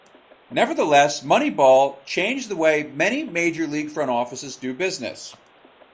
Nevertheless, "Moneyball" changed the way many major league front offices do business.